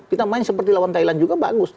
kita main seperti lawan thailand juga bagus